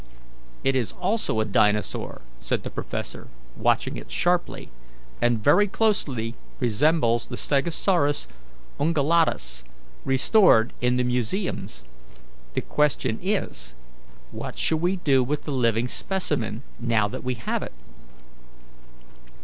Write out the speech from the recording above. "It is also a dinosaur," said the professor, watching it sharply, "and very closely resembles the Stegosaurus ungulatus restored in the museums. The question is, What shall we do with the living specimen, now that we have it?"